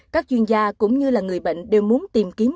các chuyên gia cũng như là người bệnh đều muốn tìm kiếm